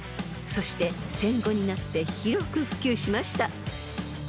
［そして戦後になって広く普及しました］